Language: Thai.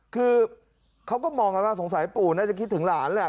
คือเขาก็มองกันว่าสงสัยปู่น่าจะคิดถึงหลานแหละ